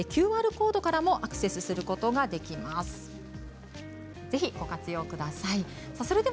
ＱＲコードからもアクセスすることができます。